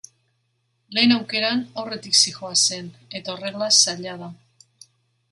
Lehen aukeran aurretik zihoazen, eta horrela zaila da.